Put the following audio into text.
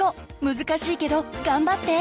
難しいけど頑張って！